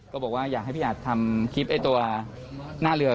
บอกว่าอยากให้พี่อัดทำคลิปไอ้ตัวหน้าเรือ